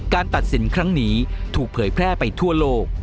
ตัดสินครั้งนี้ถูกเผยแพร่ไปทั่วโลก